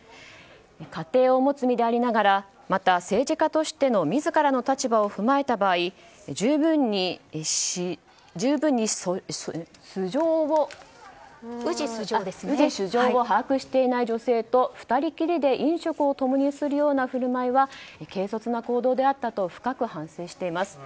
家庭を持つ身でありながらまた政治家としての自らの立場を踏まえた場合十分に氏素性を把握していない女性と２人きりで飲食を共にするような振る舞いは軽率な行動であったと深く反省しています。